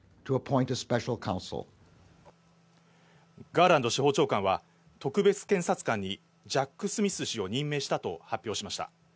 ガーランド司法長官は、特別検察官に、ジャック・スミス氏を任命したと発表しました。